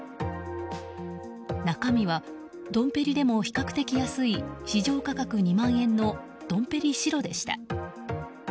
中身はドンペリでも比較的安い市場価格２万円のドンペリ白でした。